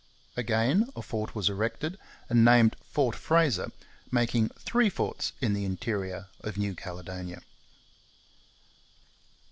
Again a fort was erected and named Fort Fraser, making three forts in the interior of New Caledonia.